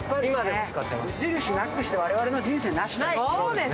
無印なくして我々の人生なしですね。